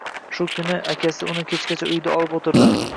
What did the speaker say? Shu kuni akasi uni kechgacha uyida olib oʻtirdi.